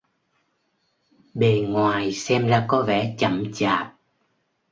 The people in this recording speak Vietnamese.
Bề ngoài xem ra có vẻ chậm chạp